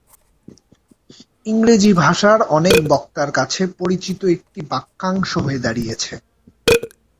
ইংরেজি ভাষার অনেক বক্তার কাছে পরিচিত একটি বাক্যাংশ হয়ে দাঁড়িয়েছে।